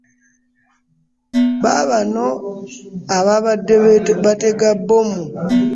Baabano ababadde batega bbomu.